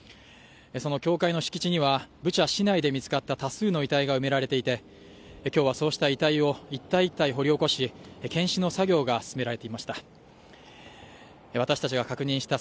その教会の敷地にはブチャ市内で見つかった多数の遺体が埋められていて、今日はそうした遺体を一体一体掘り起こし検視の作業が進められていました。